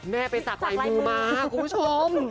แม่ไปสักลายมือมาคุณผู้ชม